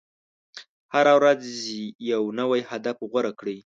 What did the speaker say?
هره ورځ یو نوی هدف غوره کړئ.